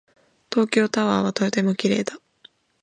東京タワーはとても綺麗だ。